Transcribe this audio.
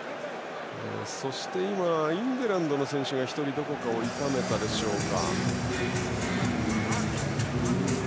そして、イングランドの選手が１人、どこかを痛めたでしょうか。